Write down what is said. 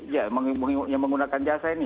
ya yang menggunakan jasa ini